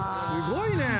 すごいね。